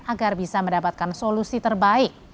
agar bisa mendapatkan solusi terbaik